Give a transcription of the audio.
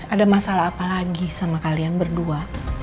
ada masalah apa lagi sama kalian berdua